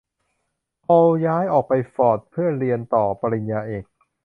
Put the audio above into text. พอลย้ายไปออกฟอร์ดเพื่อเรียนต่อปริญญาเอก